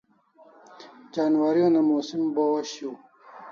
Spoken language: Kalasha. Janwari una mosim bo osh hiu